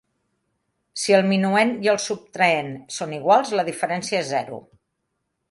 Si el minuend i el subtrahend són iguals, la diferència és zero.